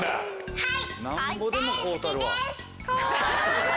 はい。